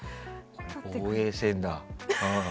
防衛戦だ。